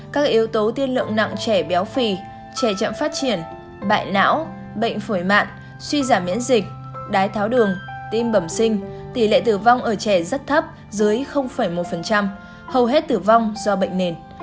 các yếu tố tiên lượng nặng trẻ béo phì trẻ chậm phát triển bại não bệnh phổi mạng suy giảm miễn dịch đái tháo đường tim bẩm sinh tỷ lệ tử vong ở trẻ rất thấp dưới một hầu hết tử vong do bệnh nền